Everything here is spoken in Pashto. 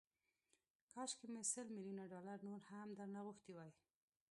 کاشکي مې سل ميليونه ډالر نور هم درنه غوښتي وای